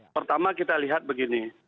pertama kita lihat begini